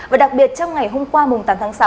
và đặc biệt trong ngày hôm qua tám tháng sáu